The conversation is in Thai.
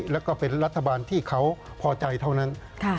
แล้วก็เป็นรัฐบาลที่เขาพอใจเท่านั้น